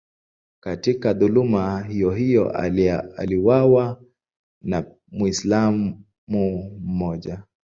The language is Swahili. Katika dhuluma hiyohiyo aliuawa pia Mwislamu mmoja.